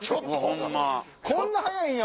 こんな早いんや！